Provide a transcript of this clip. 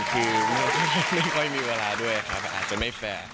คือไม่ค่อยมีเวลาด้วยครับอาจจะไม่แฟร์